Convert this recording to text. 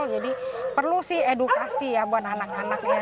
jadi perlu sih edukasi ya buat anak anaknya